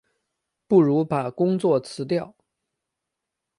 不如把工作辞掉